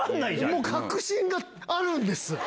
もう確信があるんです。